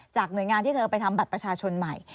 หน่วยงานที่เธอไปทำบัตรประชาชนใหม่